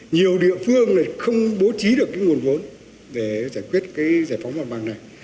nhiều địa phương này không bố trí được cái nguồn vốn để giải quyết cái giải phóng mặt bằng này